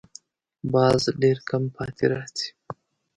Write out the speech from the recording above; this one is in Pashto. باز ډېر کم پاتې راځي